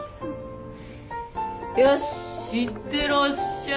いってらっしゃい。